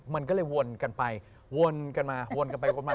มันก็เลยวนกันไปวนกันมาวนกันไปวนมา